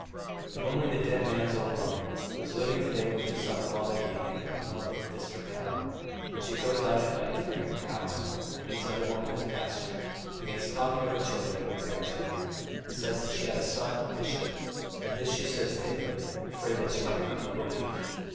And only the dead man's old mother, who is living to day with her son in law the deacon in a remote little district town, when she goes out at night to bring her cow in and meets other women at the pasture, begins talking of her children and her grandchildren, and says that she had a son a bishop, and this she says timidly, afraid that she may not be believed.